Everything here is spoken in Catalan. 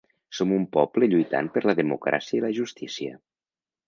Som un poble lluitant per la democràcia i la justícia.